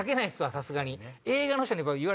さすがに。